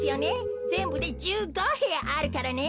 ぜんぶで１５へやあるからね。